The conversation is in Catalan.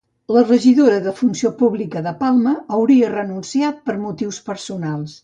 La regidora de Funció Pública de Palma hauria renunciat per motius personals.